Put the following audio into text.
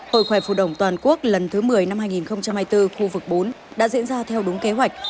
hội khỏe phù đồng toàn quốc lần thứ một mươi năm hai nghìn hai mươi bốn khu vực bốn đã diễn ra theo đúng kế hoạch